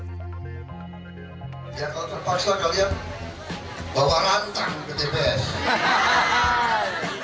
dia kalau terpaksa kalian bawa rantang ke tps